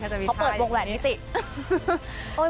เขาเปิดวงแหวนนิติ